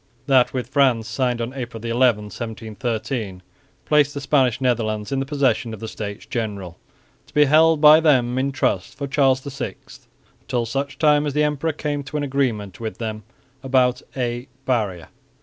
That with France, signed on April 11, 1713, placed the Spanish Netherlands in the possession of the States General, to be held by them in trust for Charles VI until such time as the emperor came to an agreement with them about a "Barrier."